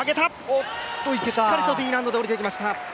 しっかりとＤ難度でおりてきました。